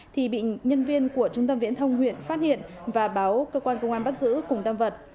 thì bị nhân viên của trung tâm viễn thông huyện phát hiện và báo cơ quan công an bắt giữ cùng tam vật